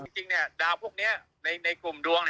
จริงดาวพวกนี้ในกลุ่มดวง